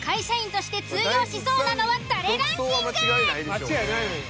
間違いないのよ。